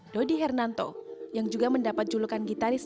dodi hernanto yang juga mendapat julukan gitaris